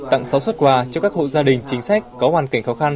tặng sáu xuất quà cho các hộ gia đình chính sách có hoàn cảnh khó khăn